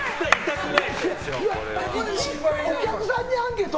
お客さんにアンケート？